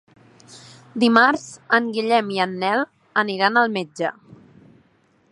Dimarts en Guillem i en Nel aniran al metge.